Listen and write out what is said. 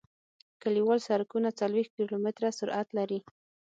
کلیوال سرکونه څلویښت کیلومتره سرعت لري